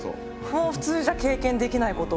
もう普通じゃ経験できないことをした。